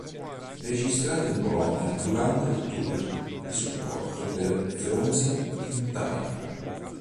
Registrato in Polonia durante il tour di supporto per "Frozen in Time".